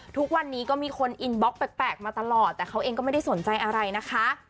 ทุกวันนี้ก็มีคนอินบล็อกแปลกมาตลอดแต่เขาเองก็ไม่ได้สนใจอะไรนะคะ